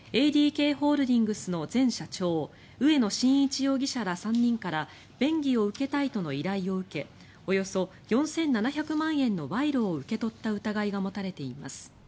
ＡＤＫホールディングスの前社長植野伸一容疑者ら３人から便宜を受けたいとの依頼を受けおよそ４７００万円の賄賂を受け取った疑いが持たれています。